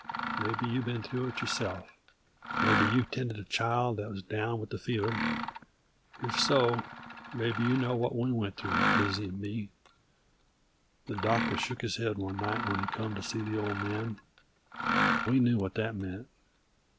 Maybe you've been through it yourself, maybe you've tended a child that's down with the fever; if so, maybe you know what we went through, Lizzie 'nd me. The doctor shook his head one night when he come to see the Old Man; we knew what that meant.